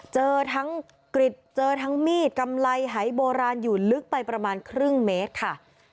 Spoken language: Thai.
เจอทั้งกริจเจอทั้งมีดกำไรหายโบราณอยู่ลึกไปประมาณครึ่งเมตรค่ะ